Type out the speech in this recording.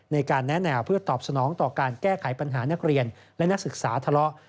ในการแนะแนวเพื่อตอบสนองต่อการแก้ไขปัญหานักเรียนและนักศึกษาทะเลาะ